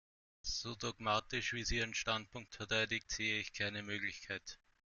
So dogmatisch, wie sie ihren Standpunkt verteidigt, sehe ich keine Möglichkeit.